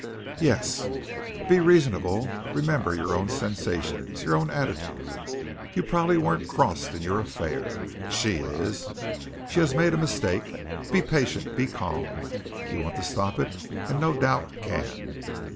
"Yes." "Be reasonable. Remember your own sensations your own attitude. You probably weren't crossed in your affair. She is. She has made a mistake. Be patient. Be calm. We want to stop it and no doubt can.